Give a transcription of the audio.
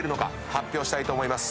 発表したいと思います。